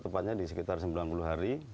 tepatnya di sekitar sembilan puluh hari